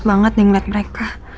banget nih ngeliat mereka